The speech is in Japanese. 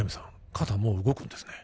肩もう動くんですね